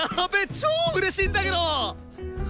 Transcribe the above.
超うれしいんだけど！